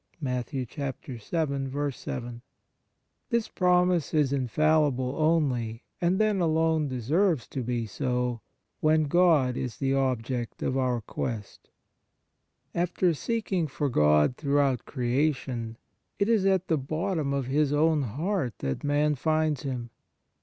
"* This promise is infallible only, and then alone deserves to be so, when God is the object of our quest. After seeking for God throughout creation, it is at the bottom of his own heart that man finds Him.